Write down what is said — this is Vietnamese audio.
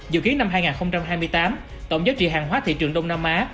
dự kiến năm hai nghìn hai mươi tám tổng giá trị hàng hóa thị trường đông nam á